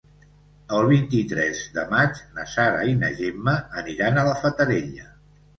El vint-i-tres de maig na Sara i na Gemma aniran a la Fatarella.